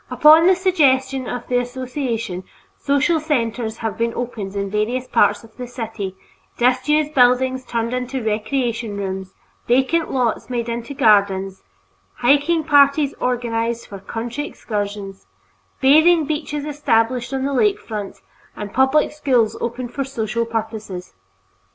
Upon the suggestion of the association, social centers have been opened in various parts of the city, disused buildings turned into recreation rooms, vacant lots made into gardens, hiking parties organized for country excursions, bathing beaches established on the lake front, and public schools opened for social purposes.